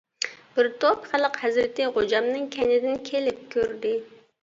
بىر توپ خەلق ھەزرىتى خوجامنىڭ كەينىدىن كېلىپ كۆردى.